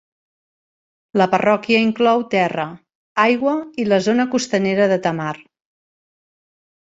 La parròquia inclou terra, aigua i la zona costanera de Tamar.